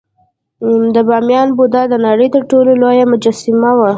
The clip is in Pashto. د بامیان بودا د نړۍ تر ټولو لویه مجسمه وه